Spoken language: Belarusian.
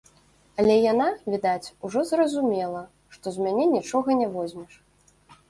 Але яна, відаць, ужо зразумела, што з мяне нічога не возьмеш.